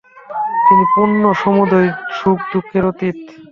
তিনি পূর্ণ, সমুদয় সুখ-দুঃখের অতীত।